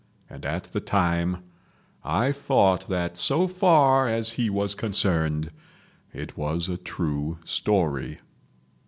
And at the time I thought that so far as he was concerned it was a true story.